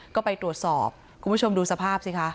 ก็ไปตรวจสอบคุณผู้ชมดูสภาพสิคะ